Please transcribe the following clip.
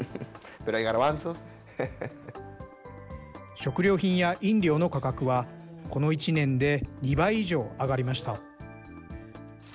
食料品や飲料の価格は、この１年で２倍以上上がりました。